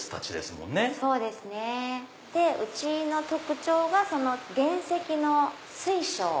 うちの特徴が原石の水晶。